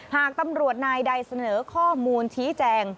หากตำรวจนายใดเสนอข้อมูลชี้แจง